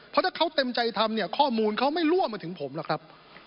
เพราะถ้าเขาเต็มใจทำเนี่ยข้อมูลเขาไม่รั่วมาถึงผมหรอกครับ